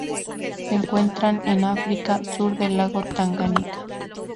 Se encuentran en África: sur del lago Tanganica.